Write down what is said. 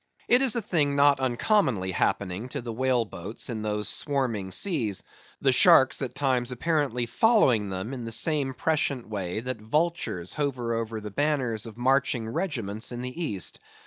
It is a thing not uncommonly happening to the whale boats in those swarming seas; the sharks at times apparently following them in the same prescient way that vultures hover over the banners of marching regiments in the east.